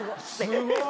すごい。